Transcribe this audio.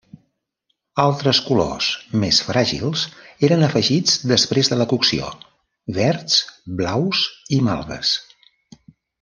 Altres colors més fràgils eren afegits després de la cocció: verds, blaus i malves.